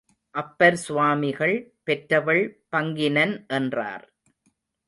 அப்பர் சுவாமிகள், பெற்றவள் பங்கினன் என்றார்.